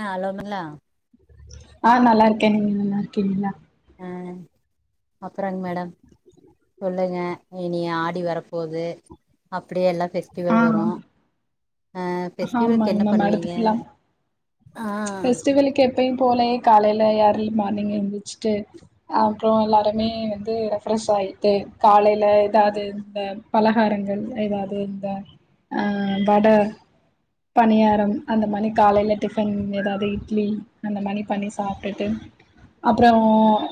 ஆ அலோமல்லா ஆஹ் நல்லா இருக்கே நீங்க நல்லா இருக்கீங்களா ஆ அப்புறங் மேடம் சொல்லுங்க இனி ஆடி வர போது அப்படியெல்லா ஃபெஸ்டிவல் வரு ஆ ஆமா ஃபெஸ்டிவல்க்கு ங் என்ன மேம் அடுத்து பண்ணுவீங்க ஃபுல்லா ஆ ஃபெஸ்டிவல்க்கு எப்பயும் போலயே காலையில இயர்லி மார்னிங் எழுந்திச்சுட்டு அப்றோ எல்லாருமே வந்து ரெஃப்ரெஷ் ஆயிட்டு காலையில எதாவ்து இந்த பலகாரங்கள் எதாவ்து இந்த ஆ வட பணியாரம் அந்த மாநி காலையில டி ஃபன் எதாவது இட்லி அந்த மானி பண்ணி சாப்புட்டுட்டு அப்புறொ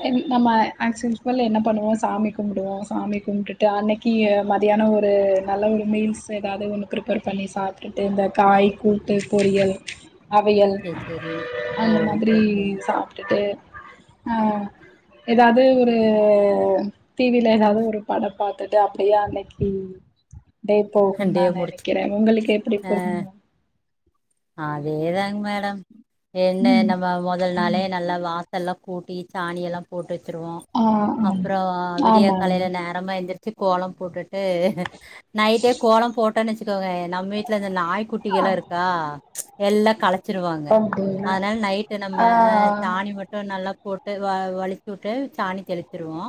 எனி நம்ம ஆக்சு யூஸ்வல் என்ன பண்ணுவோ சாமி கும்புடுவோம் சாமி கும்பிட்டுட்டு அன்னைக்கு மதியானம் ஒரு நல்ல ஒரு மீல்ஸ் எதாவ்து ஒன்னு ஃப்ரிஃப்பேர் பண்ணி சாப்புட்டுட்டு இந்த காய் கூட்டு பொரியல் அவையல் சேரி சேரிங்க ஓ அந்த மாதிரி சேரி சேரிங்க சாப்பிட்டுட்டு ஆஹ் எதாவ்து ஒரு டி வில எதாவது ஒரு படொ பார்த்துட்டு அப்படியே அன்னைக்கு டே போகும் டே நா முடிச்சு நெனைக்கிற உங்களுக்கு எப்டி போகும் அதேதா ங் மேடம் என்ன ம் நம்ம மொதல் நாளே நல்லா வா செல்லா கூட்டி சாணிய எல்லா போட்டு வச்சுருவோ ஆ ஆம் அப்பறொ விடியா ஆமாங்க காலையில நேரமா எந்திரி ச்சு கோலம் போட்டுட் டு நைட்டே கோலம் போட்டு டனு வச்சுக்கோங்க நம் வீட்ல இந்த அ நாய்க்குட்டிகள்லா இருக்கா ப்ச் எல்லா கல ச்சிருவாங்க அப்டிங்களா அதனால நைட்டு நம்ம ஆ சாணி மட்டு நல்லா போட்டு வ வலிச்சு விட்டு சாணி தெளிச்சிருவோ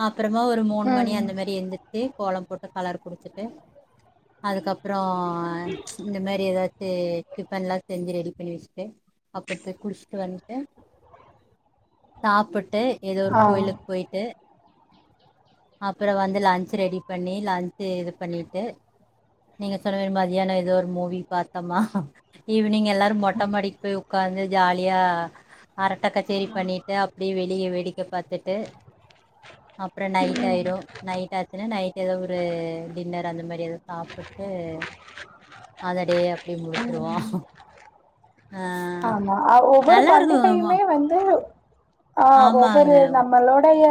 அ அப்புறமா ஒரு மூணு மணி ம் அந்த மாரி எந்திருச்சு கோலம் போட்டு கலர் குடுத்துட்டு அதுக்கப்புறோ ஆ இந்த மேரி ஏதாது டிபன்லா செஞ்சி ரெடி பண்ணி வெச்சிட்டு அப்றத்து குளிச்சிட்டு வந் து சாப்புட் டு ஏதோ ஒரு ஆ கோயிலுக் போயிட்டு அப்றோ வந்து லன்ச் ரெடி பண்ணி லன்ச்சு இது பண்ணிட்டு நீங்க சொன்ன [unintelligible] மாதிரியான எதோ ஒரு மூவி பாத்தமா ஈவ் னிங் எல்லாரு மொட்டமாடிக்கு போய் உக் காந்து ஜாலியா அரட்ட கச்சேரி பண்ணிட்டு அப்டியே வெளிய வேடிக்க பாத்திட்டு அப்றோ நைட் அயிடு நைட் ஆச்சினா நைட் எதோ ஒரு டின்னர் அந்த மாரி எதோ சாப்புட்டு அந்த டே அப்டி ம் ஆமா ஒவ்வொரு நல்லா இருக்கு பண்டிகையுமே வந்து ஆஹ் ஆமாங்க ஒவ்வொரு நம்மளோடைய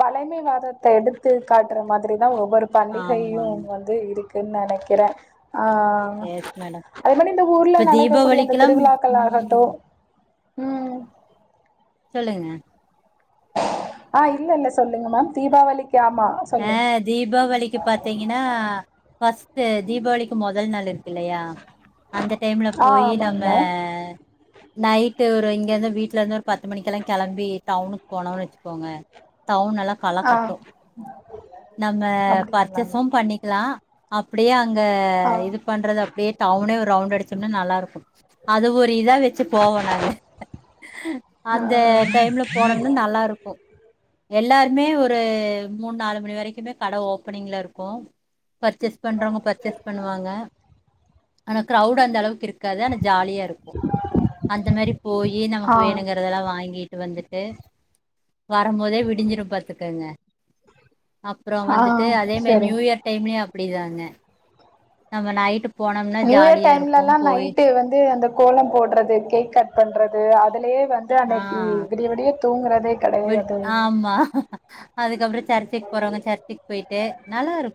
பழைமை வாதத்த எடுத்து காட்டுற மாதிரி ஒவ்வொரு பண்டிகையு ஆமாங்க வந்து இருக்கு ன் நனைக்கிறே எஸ் மேடம் அதே மாரி இந்த ஊர்ல இப்ப நடக்கக்கூடிய அந்த தீபாவளிக்கெல்லா திருவிழாக்கள் ஆகட்டு ம் உம் சொல்லுங்க ஆஹ் இல்ல இல்ல சொல்லுங்க மேம் தீபாவளிக் எ தீபாவளிக்கு பாத்தீங்கன்னா ஃபர்ஸ்ட்டு தீபாவளிக்கு முதல் நாளு இல்லையா அந்த டைம்ல ஆ போயி நம்ம ஆமாங்க நைட்டு ஒரு இங்க இருந்து வீட்டுல இருந்து ஒரு பத்து மணிக்கெல்லா களம்பி டவுனுக்கு போனோன்னு வச்சிக்கோங்க டவுனலா கல ஆ கட்டு நம்ம அப்டிங்களாங்க பர்ச்சேஸும் பண்ணிக்கலா அப்டியே அங்க ஆ இது பண்றது அப்டியே டவுனே ஒரு ரவுண்டு அடிச்சம்னா நல்லாருக்கும் அது ஒ இதா வெச்சு போவோ நாங்க அந்த டைம்ல போனம்னா நல்லாருக்கூ எல்லாருமே ஒரு மூன் நாலு மணி வரைக்குமே கட ஓப்பனிங்ல இருக்கு பர்ச்சேஸ் பண்றவங்க பர்ச்சேஸ் பண்ணுவாங்க ஆனா கிரவுடு அந்த அளவு இருக்காது ஆனா ஜாலியா இருக்கு அந்த மாரி போயி ஆ நமக்கு வேணுங்கறதெல்லா வாங்கி ட்டு வந்துட்டு வரும் போதே விடிஞ்சிரும் பாத்துக்கங்க அப்புறோ ஆ வந்துட்டு அதே மாரி சரி நியூ இயர் டைம்லியு அப்டிதாங்க நம்ம நைட்டுப் நியூ இயர் டைம்ல எல்லா நைட்டு வந்து அந்த கோலம் போட்றது கேக் கட் பண்ற து அதுலயே வந்து அன்னைக்கு ஆஹ் விடிய விடிய தூங்குறதே விட் கெடையாது ஆமா அதுக்கப்புறோ சர்ச்சுக் போறவங்க சர்ச்சுக் போய்ட்டு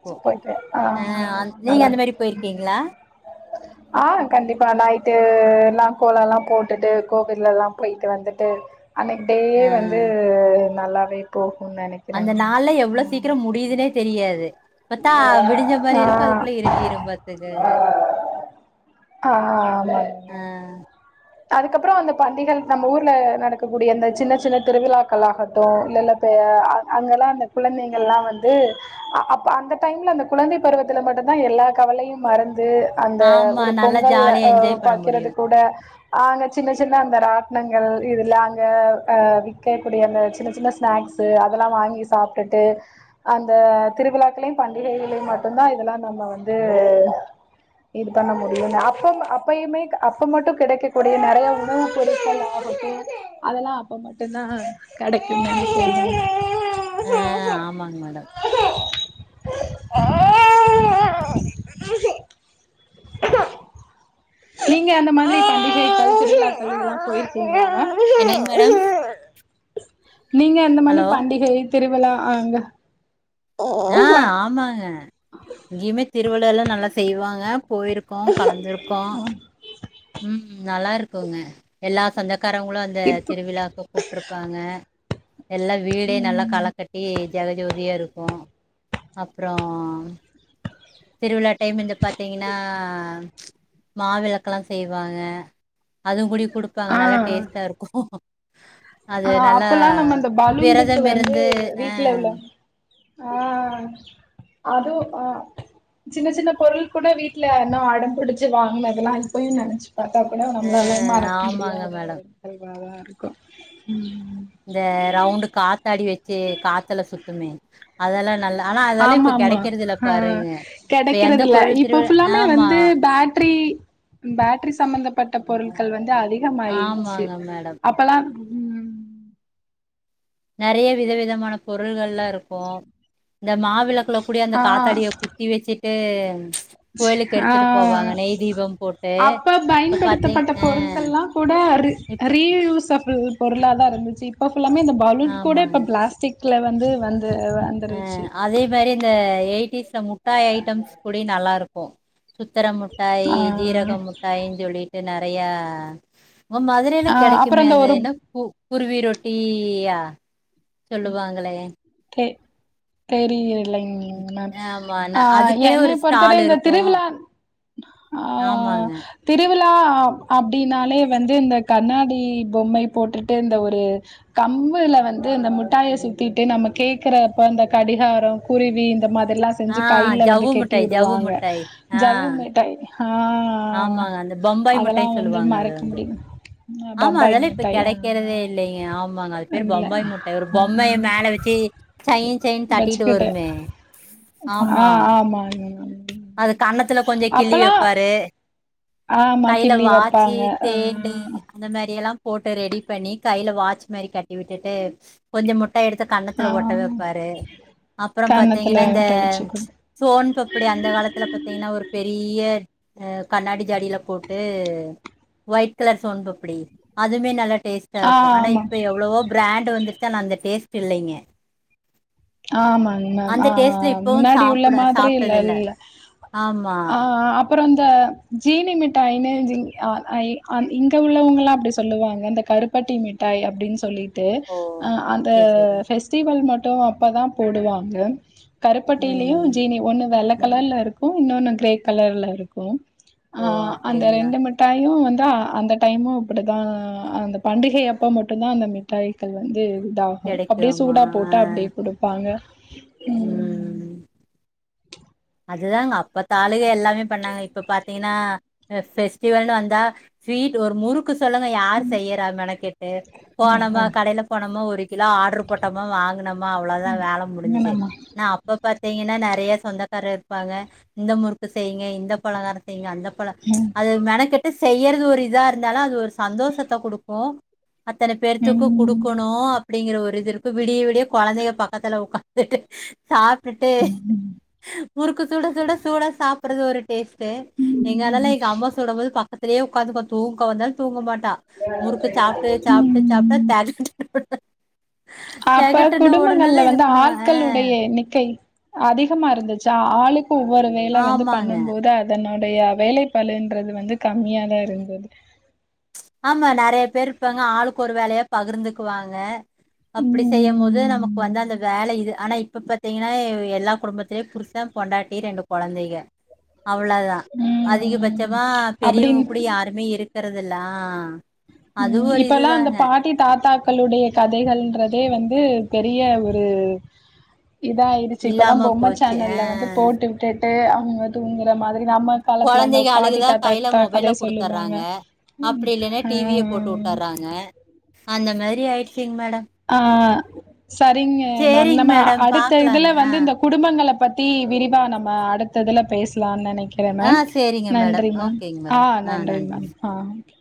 ச்சுக் போய்ட்டு ஆ ஆ அந் நீங்க அந்த நல்லாருக்கு மாரி ம் போயிருக்கீங்களா ஆ கண்டிப்பா நைட்டு ல்லா கோல எல்லா போட்டுட்டு கோவில் எல்லாம் போயிட்டு வந்துட்டு அன்னிக் டேயே ஆ வந்து நல்லாவே போ அந்த நாள்லா எவ்ளோ சீக்ரோ முடிதுனே தெரியாது ப்பத்தா விடிஞ்ச மாரி ஆ இருக்கு அதுக்குள்ள இருட்டிரு பாத்துகங்க ஆ ஆ ஆமாங் மேம் அதுக்கப்றோ அந்த பண்டிகள் நம்ம ஊர்ல நடக்கக்கூடிய அந்த சின்ன சின்ன திருவிழாக்களாகட்டு இல்ல இல்ல ப்ப ய அ அங்கெல்லா அந்த குழந்தைங்கள்லா வந்து அ அப்ப அந்த டைம்ல அந்த குழந்தை பருவத்துல மட்டுந்தா எல்லா கவலையு மறந் ந்து அந்த ஆமா ஒரு நல்லா பொங்கல்ல ஜாலியா அ என்ஜாய் பண்ண பாக்கிறது முடியு கூட அ அங்க சின்ன சின்ன அந்த ராட்னங்கள் இதுல அங்க அ விக்கைகூடிய அந்த சின்ன சின்ன ஸ்நாக்ஸு அதெல்லா வாங்கி சாப்ட்டுட்டு அந்த திருவிழாக்களையு பண்டிகைகளையும் மட்டுந்தா இதுல்லா நம்ம வந்து இது பண்ண முடியுங்க அப்பம் அப்பயுமே க் அப்ப மட்டு கிடைக்க கூடிய நறைய உணவு பொருட்கள் ஆகட்டு அதெல்லா அப்ப மட்டுந்தா கெடைக்குன் நெனைக்கிறேங்க அ ஆமாங் மேடம் அஹ க்கும் நீங்க அந்த மாதிரி பண்டிகை [inaudible] திருவிழாக்கள் இதல்லா போயிருக்கீங்ளாங்க என்னங் மேடம் நீங்க அந்த மணி ஹலோ பண்டிகை திருவிழா அ அங்க ப ஆஹ் ஆமாங்க இங்கிமே திருவிழல்லா நல்லா செய்வாங்க போயிருக்கோ கலந்துருக்கோ உம் நல்லா இருக்குங்க எல்லா சந்த க்காரவங்களு அந்த இப்ப திருவிழாவுக்க கூப்பிருப்பாங்க எல்லாம் வீடே நல்லா களை கட்டி ஜெகஜோதியா இருக்கு அப்றோ திருவிழா டைம் இருந்து பாத்தீங்கன்னா மாவிளக்கெல்லா செய்வாங்க அதுவு கூடி கொடுப்பாங்க நல்லா டேஸ்ட்டா இருக்கு அது அஹ் நல்லா அப்பல்லா நம்ம அந்த பலூனுக்கு விரதம் வந்து இருந்து வீட்டுல எவ்ளோ ஆஹ் அதுவு அஹ் சின்ன சின்ன பொருள் கூட வீட்டுல இன்னும் அடம் புடிச்சு வாங்கின அதெல்லா இப்பயு நினைச்சுன் பார்த்தா கூனா நம்மளல்லா ஆ மறக்க ஆமாங்க முடியாத மேடம் ஒரு கல்வாவான் இருக்க ம் இந்த ரவுண்டு காத்தாடி வச்சு சே காத்தல சுத்துமே அதெல்லா நல்லா ஆனா அதெல்லா ஆமா இப்ப ஆமா கெடைக்கறது இல்ல ஆஹ் பாருங்க இப்ப எந்த கிடைக்கறதுல கோவில் திருவிழா இப்பபுல்லாமே ஆமா வந்து பேட்ரி பேட்டரி சம்பந்தப்பட்ட பொருள்கள் வந்து அதிகமாயந்துச்சு ஆமாங்க மேடம் அப்பல்லா நெறய வித விதமான பொருள்கள்லா இரு இருக்கு இந்த மாவிளக்கல கூட அந்த ஆ காத்தாடிய குத்தி வச்சுட்டு ஏ ஆஹ போட்டு அப்ப இப்ப பாத்தீங் பயன்படுத்தப்பட்ட அ பொருட்கள்ல்லா கூடீ இப்ப ரிஸ்ப பொருளாத ஆரம்பிச்சு இப்போ ல்லாமே இந்த பாலுட கூட இப்ப பிளாஸ்டிக் வந்து வந்து அஹ வந்துருச்சு அதே மாதிரி இந்த எட் முட்டாய ஐட்டம்ஸ் கூடி நல்லா இருக்கு சுத்திர மிட்டாய் ஆ ஜீரக மிட்டாயின்னு சொல்லிட்டு ந தைய உங் மாதுரையேல ஆ அப்புறோ கிடைக்குமே இந்த ஒரு அதுன்னா பூ குர்வி ரொட்டியா சொல்லுவாங்களே தெ தெரியலை ஆமா நா ஆஹ் அதுக்குன்னே ஒரு என்னை பொறுத்தரை ஸ்டால் இந்த இருக்கு திருவிழா ஆஹ் ஆமாங்க திரு விழா அ அப்டின்னாலே வந்து இந்த கண்ணாடி பொம்மய போட்டுட்டு இந்த ஒரு கம்புல வந்து இந்த மிட்டாய சுத்திட்டு நமக் கேக்குறப்ப இந்த கடிகாரொ குருவி இந்த மாதிரி எல்லா ஆ செஞ்சு கைல வந்து ஜவ்வு கெட்டி முட்டாய் ஜவ்வு விடுவாங்க முட்டாய் ஆ ஜவ்வு மிட்டை ஆமாங்க அந்த பொம்பாய் அதெல்லா முட்டைன் வந்து சொல்லுவாங்க அது மறக்க வந்து முடியு ஆமா பம்பாய் அதல்லா இப்ப மிட்டாய் ஆ கெடைக்கிறதே இல்லங்க ஆமாங்க அது பேரு இல்ல பொம்பாய் முட்டை ஒரு பொம்மைய மேல வச்சு சைன் சைன் தட்டிட்டு வச்சுக்கிட்டே வருமே ஆ ஆமா ஆமாங்க மேம் அத கண்ணத்துல கொஞ்ச கிள்ளி அப்பல்லா வெப்பாரு ஆமா கையில கிள்ளி வாச்சி வப்பாங்க ஆ தேனி அந்த மேர் இயல்லா போட்டு ரெடி பண்ணி கைல வாச் மாரி கட்டி விட்டுட்டு கொஞ்ச முட் ட எடுத்து ஆ கண்ணத்துல ஒட்ட வெப்பாரு அப்புற கன்னத்துல பாத்தீங்கன்னா இந்த விட்டு வச்சு சோன்பப் இந்த காலத்துல பத்தீங்கன்னா ஒரு பெரிய கண்ணாடி ஜாடியில போட்டு ஒயிட் கலர் சோன்பப்புடி அதுமே நல்ல ஆ டேஸ்டாருக்கு ஆனா ஆமா இப்ப எவ்ளவோ ப்ராண்ட் வந்துர்ச்சு ஆனா அந்த டேஸ்ட் இல்லைங்க ஆமாங்க ந அந்த ஆ டேஸ்ட்ல இப்பவு முன்னாடி உள்ள சாப்பிட மாத்ரி இல் சாப்ட்டது இல்ல எல்ல ஆமா அ ஆ அப்பறோ அந்த ஜீனி மிட்டாய்னு ஜி அ இ இங்க உள்ளவங்கலா அப்டி சொல்லுவாங்க இந்த கருப்பட்டி மிட்டாய் அப்டின் சொல்லிற் டு ஓ ஆ அந்த சேரி சேரி பெஸ்டிவல் மட் டு அப்பதா போடுவாங்க கருப்பட்டிலியு ம் ஜீனி ஒண்ணு வெல்ல கலர்ல இருக்கு இன்னொன்னு கிரே கலர்ல இருக்கு ஆ ஓ அந்த அப்டிங்களா ரெண்டு மிட்டாயு வந் தா அந்த டைமு இப்பிடிதா அந்த பண்டிகை அப்ப மட்டுந்தா அந்த மிட்டாய்கள் வந்து தாகு அப்டியே கெடைக்குமா சூடா ஆ போட்டா அப்டி விப்பாங்க ம் அதுதாங்க அப்ப தாள் ளுக எல்லாமே பண்ணாங்க இப்ப பாத் திங்னா அ பெஸ்டிவல்னு வந்தா ஸ்வீட் ஒரு முறுக் கு சொல்லுங்க யார் செய்யறா மெனக்கெட்டு போனமா கடைல போனமா ஒரு கிலோ ஆட்ரு போட்டமா வாங்கனமா அவ்ளோதா வேலை முடிஞ்சிச்சு என்னமா ஆனா அப்ப பாத் தீங்கனா நெறைய சொந்த தர இருப்பாங்க இந்த முறுக்கு செய்யுங்க இந்த பலகாரம் செய்யுங்க அந்த பலகா போல அது மெனக்கெட்டு செய்யறது ஒரு இதா இருந்தாலு அது ஒரு சந்தோஷத்த குடுக்கோ அத்தன பேர்த்துக்கு குடுக்கணு ம் அப்டிங்கற ஒரு இது இருக்கு விடிய விடிய கொழந்தைங்க பக்கத்தில் ஒஅகாந்துட்டு சாப்புடு ட்டு முறுக்கு சூட சூட சூடா சாப்பட்றது ஒரு டேஸ்ட்டே எங்க அண்ணோல்லா எங்க அம்மா சுடும் போது பா த்துலேயே ஒக்காந்துக்குவா தூங்கோ வந்தாலு தூங்க மாட் முறுக்க சாப்டு சாப்டு சாப்டே ம் [unintelligible] பத்து அப்ப குடும்பங்கள்ல வந்து பண்ணுவா ஆ ஆட்களுடைய என்னிக்கை அதிகமா இருந்தது சாலுக் ஒவ்வொரு வேல வந்து ஆமாங்க பண்ணும் போது அதனால யே வேலைப்பாலன்றது வந்து கம்மியாதா இருந்தது ஆமா நெறைய பேர் இருப்பாங்க ஆளுக்கு ஒரு வேலையா பகிர்ந்துக்குவாங்க அப்டி செய்யும் போது நமக்கு வந்து ம் அந்த வேல இது ஆனா இப்ப பாத்தீங்கன்னா எல்லா குடும்பத்திலேயு புருசா பொண்டாட்டி ரெண்டு கொழந்தைங்க அவ்ளோதா ம். அதிகபட்சமா பெரியவங்க அப்டின் கூட யாருமே இருக்கறது இல்ல உம் இப்பல்லா அந்த பாட்டி தாத்தாக்களுடைய கதைகள் இன்றதே வந்து பெரிய ஒரு இதயிடுச்சு இப்பல்லா இல்லாம பொம்ம போச்சு ஆ சேனல்ல வந்து போட்டுக்கிட்டு அங்க தூங்குற மாதி நம்ம காலத்துல அந்த கொழந்தைக பாட்டி அழுகுதா கையில தாத்தாக்குத்தா மொபைல கதே சொல்லுவாங்க குடுத்தர்றாங்க உஹம் ட்றாங்க அந்த மாரி ஆயிடுச்சுங்க மேடம் ஆஹ் சரிங்க மேம் சேரிங்க நம்ம மேடம் அடுத்த பாக்கலாங்க இதுல ஆ வந்து இந்த குடும்பங்கள பத்தி தி விரிவா நம்ம அடுத்த இதுல பேசலாம்னு நெனைக் றேன் ஆ மேம் சேரிங்க மேடம் நன்றி மேம் ஓகேங்க மேடம் ஆஹ ஆ நன்றி மேம் ஹா ஒகே